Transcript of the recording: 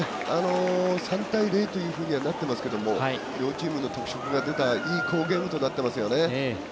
３対０というふうにはなっていますけど両チームの特色が出たいい好ゲームとなっていますよね。